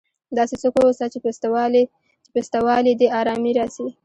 داسي څوک واوسه، چي په سته والي دي ارامي راسي.